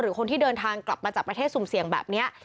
คนที่เดินทางกลับมาจากประเทศสุ่มเสี่ยงแบบนี้